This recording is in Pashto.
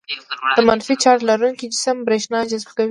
د منفي چارج لرونکي جسم برېښنا جذبه کوي.